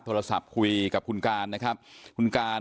โทรศัพท์คุยกับคุณการนะครับคุณการ